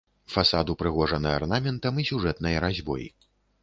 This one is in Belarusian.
Фасад упрыгожаны арнаментам і сюжэтнай разьбой.